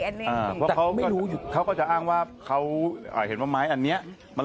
อันนี้อ่ะเขามาออกก็จะอ้างว่าเขาเห็นว่าไม้อันนี้มัน